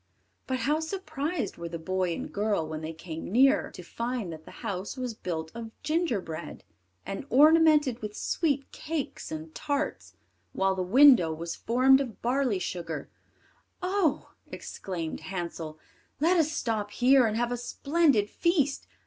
But how surprised were the boy and girl, when they came nearer, to find that the house was built of gingerbread, and ornamented with sweet cakes and tarts, while the window was formed of barley sugar. "Oh!" exclaimed Hansel, "let us stop here and have a splendid feast.